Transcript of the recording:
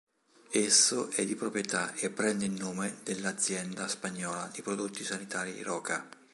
Esso è di proprietà e prende il nome dal'azienda spagnola di prodotti sanitari Roca.